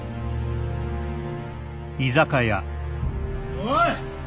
・おい！